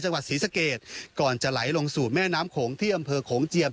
ศรีสะเกดก่อนจะไหลลงสู่แม่น้ำโขงที่อำเภอโขงเจียม